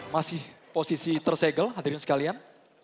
masih posisi tersegel hadirin sekalian